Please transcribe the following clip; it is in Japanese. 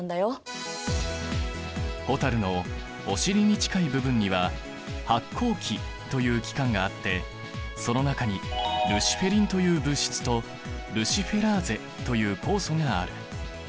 蛍のお尻に近い部分には発光器という器官があってその中にルシフェリンという物質とルシフェラーゼという酵素がある。